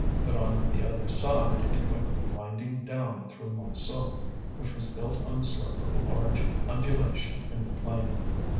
But on the other side it went winding down through Montsou, which was built on the slope of a large undulation in the plain.